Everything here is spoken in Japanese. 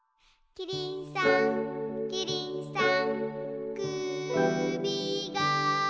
「キリンさんキリンさん」